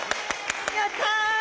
やった！